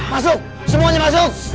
masuk semuanya masuk